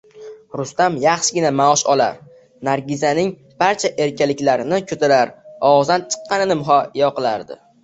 Rustam yaxshigina maosh olar, Nargizaning barcha erkaliklarini ko`tarar, og`zidan chiqqanini muhayyo qilardi